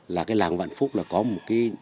là cái làng vạn phúc là có một cái